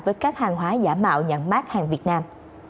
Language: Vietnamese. với các hàng hóa giả mạo nhãn mát hàng việt nam